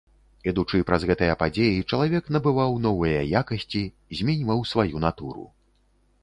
Ідучы праз гэтыя падзеі, чалавек набываў новыя якасці, зменьваў сваю натуру.